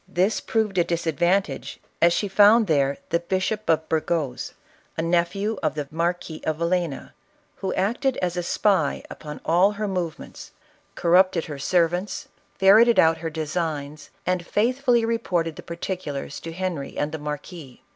This proved a disadvantage, as she found there the Bishop of Burgos, u nephew of the Marquis of Vil lena, who acted as a spy iipon all her movements, cor ISABKLLA OF CASTILE. 67 ruptccl her servants, ferreted out her designs, and faith fully reported the particulars to Henry and the marquis.